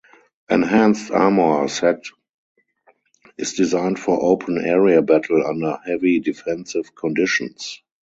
Enhanced armor set is designed for open area battle under heavy defensive conditions.